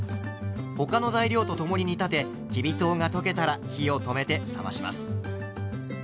他の材料と共に煮立てきび糖が溶けたら火を止めて冷まします。